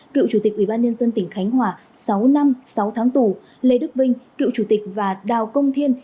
cựu chủ tịch ủy ban nhân dân tỉnh khánh hòa sáu năm sáu tháng tù lê đức vinh cựu chủ tịch và đào công thiên